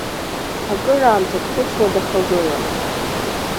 Акыраамҭа дхәыцуа дахагылан.